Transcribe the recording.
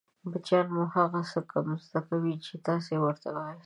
بچیان مو هغه څه کم زده کوي چې تاسې يې ورته وایاست